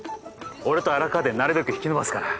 俺と荒川でなるべく引き延ばすから。